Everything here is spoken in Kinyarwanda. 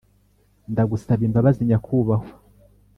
ndagusaba imbabazi nyakubahwa.